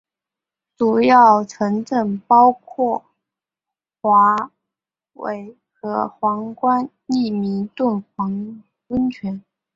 主要城镇包括华威和皇家利明顿温泉。